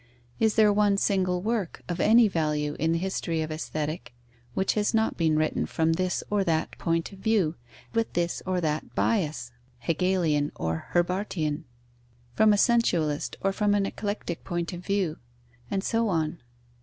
Is there one single work of any value in the history of Aesthetic, which has not been written from this or that point of view, with this or that bias (Hegelian or Herbartian), from a sensualist or from an eclectic point of view, and so on?